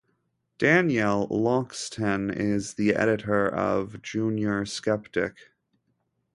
Daniel Loxton is the Editor of "Junior Skeptic".